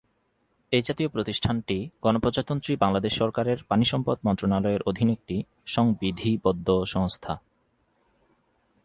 এই জাতীয় প্রতিষ্ঠানটি গণপ্রজাতন্ত্রী বাংলাদেশ সরকারের পানিসম্পদ মন্ত্রনালয়ের অধীন একটি সংবিধিবদ্ধ সংস্থা।